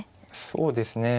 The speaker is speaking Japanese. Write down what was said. そうですね